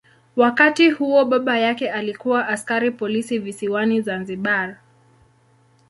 Wakati huo baba yake alikuwa askari polisi visiwani Zanzibar.